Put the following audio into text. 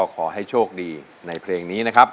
ขอให้โชคดีในเพลงนี้